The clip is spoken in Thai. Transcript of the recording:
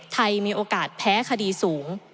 ไทยมีโอกาสแพ้คดีสูง